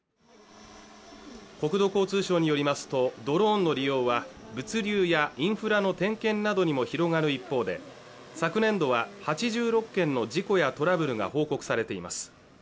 国土交通省によりますとドローンの利用は物流やインフラの点検などにも広がる一方で昨年度は８６件の事故やトラブルが報告されています